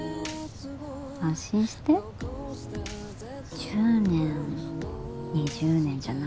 安心して１０年２０年じゃないよ。